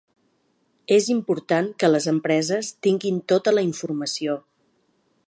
És important que les empreses tinguin tota la informació.